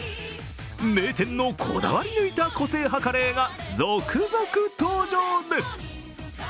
名店のこだわり抜いた個性派カレーが続々登場です。